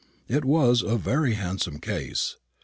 It was a very handsome case.